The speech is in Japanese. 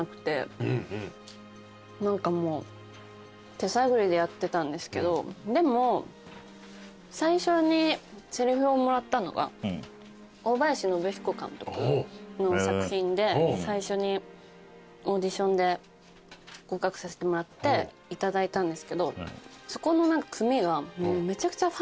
手探りでやってたんですけどでも最初にせりふをもらったのが大林宣彦監督の作品で最初にオーディションで合格させてもらって頂いたんですけどそこの組が。